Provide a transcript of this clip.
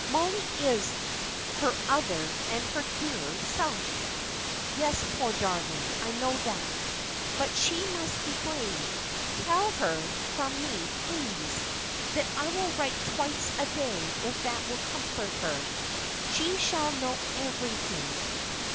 Mollie is her other and her dearer self." "Yes, poor darling, I know that; but she must be brave. Tell her, from me, please, that I will write twice a day if that will comfort her. She shall know everything.